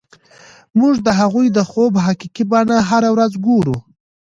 موږ د هغوی د خوب حقیقي بڼه هره ورځ ګورو